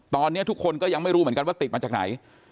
ตอนนี้ทุกคนก็ยังไม่รู้เหมือนกันว่าติดมาจากไหน